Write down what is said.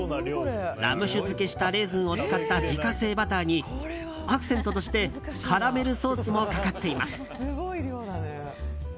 ラム酒漬けしたレーズンを使った自家製バターにアクセントとしてカラメルソースもかかっています。